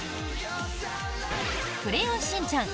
「クレヨンしんちゃん」